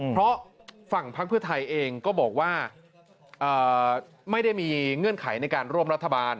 เพราะฝั่งพักเพื่อไทยเองก็บอกว่าไม่ได้มีเงื่อนไขในการร่วมรัฐบาล